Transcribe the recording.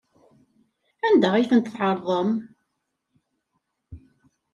Anda ay ten-tɛerḍem?